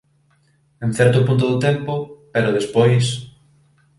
En certo punto do tempo, pero despois